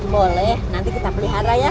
boleh nanti kita pelihara ya